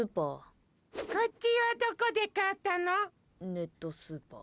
ネットスーパー。